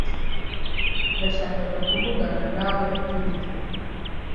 Nashakaga kuvugana nawe kuriyi ngingo.